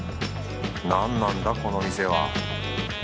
なんなんだこの店は。